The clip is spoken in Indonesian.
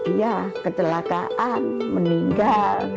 ya ketelakaan meninggal